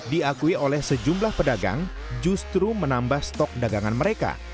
diakui oleh sejumlah pedagang justru menambah stok dagangan mereka